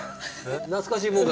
懐かしいもんか？